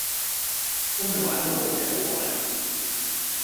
真係玩到無野好玩